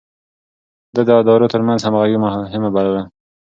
ده د ادارو ترمنځ همغږي مهمه بلله.